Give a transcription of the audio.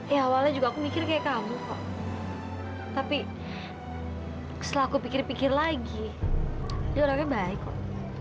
ya awalnya juga aku mikir kayak kamu kok tapi setelah aku pikir pikir lagi dia orangnya baik kok